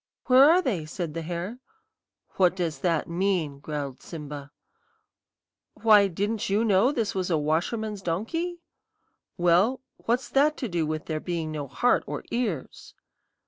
"'Where are they?' said the hare. "'What does this mean?' growled Simba. "'Why, didn't you know this was a washerman's donkey?' "'Well, what's that to do with there being no heart or ears?'